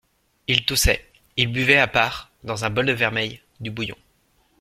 Il toussait ; il buvait à part, dans un bol de vermeil, du bouillon.